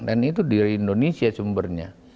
dan itu dari indonesia sumbernya